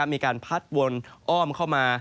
มีการพัดวนอ้อมเข้ามา